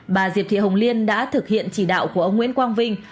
bà diệp thị hồng liên đã thực hiện chỉ đạo của ông nguyễn quang vinh